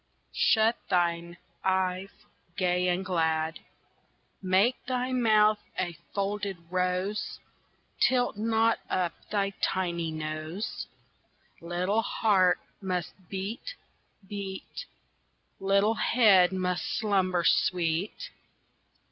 Shut thine eyes gay and glad; Make thy mouth a folded rose, Tilt not up thy tiny nose! Little heart must beat, beat, Little head must slumber sweet.